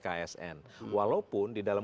ksn walaupun di dalam